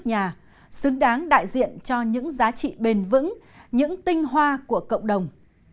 nhà xứng đáng đại diện cho những giá trị bền vững những tinh hoa của cộng đồng